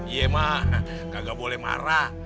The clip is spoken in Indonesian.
iya mak kagak boleh marah